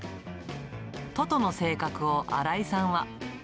トトの性格を荒井さんは。